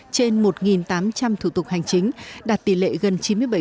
trên một tám trăm linh thủ tục hành chính đạt tỷ lệ gần chín mươi bảy